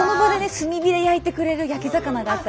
炭火で焼いてくれる焼き魚があったり。